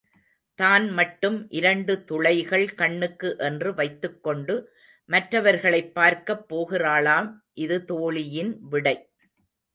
தான் மட்டும் இரண்டு துளைகள் கண்ணுக்கு என்று வைத்துக் கொண்டு மற்றவர்களைப் பார்க்கப் போகிறாளாம் இது தோழியின் விடை.